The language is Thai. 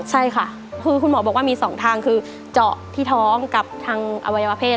ใช่ค่ะคือคุณหมอบอกว่ามีสองทางคือเจาะที่ท้องกับทางอวัยวะเพศ